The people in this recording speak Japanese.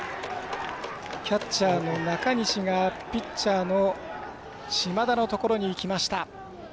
キャッチャーの中西がピッチャーの島田のところに行きました。